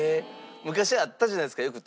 昔あったじゃないですか。